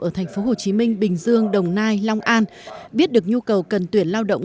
ở thành phố hồ chí minh bình dương đồng nai long an biết được nhu cầu cần tuyển lao động